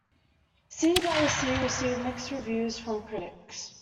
"City by the Sea" received mixed reviews from critics.